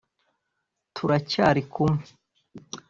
turacyari kumwe